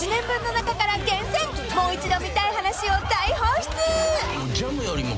［もう一度見たい話を大放出！］